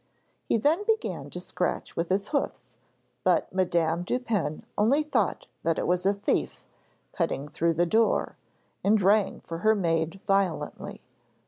He then began to scratch with his hoofs, but Madame Dupin only thought that it was a thief, cutting through the door, and rang for her maid violently.